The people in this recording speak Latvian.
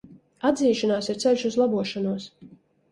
Atzīšanās ir ceļš uz labošanos.